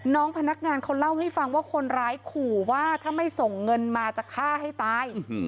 น้องพนักงานเขาเล่าให้ฟังว่าคนร้ายขู่ว่าถ้าไม่ส่งเงินมาจะฆ่าให้ตาย